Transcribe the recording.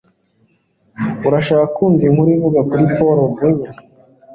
Urashaka kumva inkuru ivuga kuri Paul Bunyan